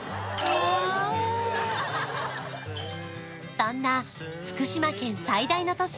そんな福島県最大の都市